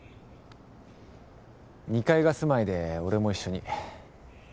２階が住まいで俺も一緒に。